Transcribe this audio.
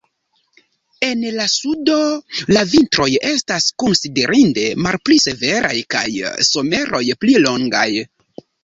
En la sudo la vintroj estas konsiderinde malpli severaj kaj la someroj pli longaj.